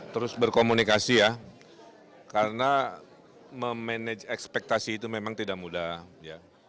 terus berkomunikasi ya karena memanage ekspektasi itu memang tidak mudah ya